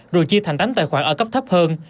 rồi chia thành đánh tài khoản ở cấp thấp hơn